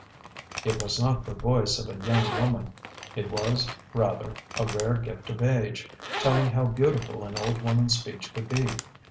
It was not the voice of a young woman; it was, rather, a rare gift of age, telling how beautiful an old woman's speech could be.